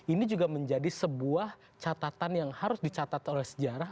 ini juga menjadi sebuah catatan yang harus dicatat oleh sejarah